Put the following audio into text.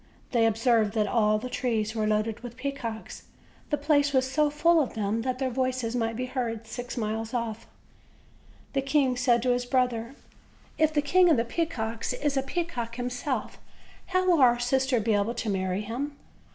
They observed that all the trees were loaded with peacocks; the place was so full of them that their voices might be heard six miles off. The king said to his brother: "If the King of the Pea cocks is a peacock himself, how will our sister be able to marry him?